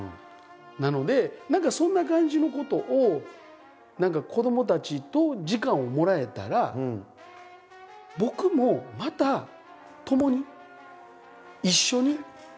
なので何かそんな感じのことを何か子どもたちと時間をもらえたら僕もまたともに一緒に。